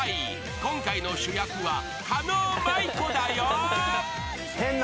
［今回の主役は狩野舞子だよ］